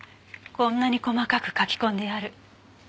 こんなに細かく書き込んである。